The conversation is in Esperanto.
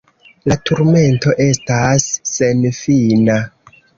La turmento estas senfina.